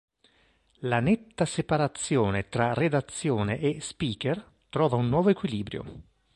La netta separazione tra redazione e speaker trova un nuovo equilibrio.